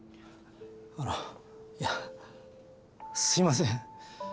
あのいやすいません。